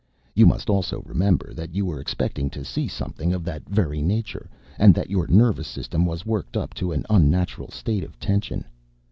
You must also remember that you were expecting to see something of that very nature, and that your nervous system was worked up to an unnatural state of tension.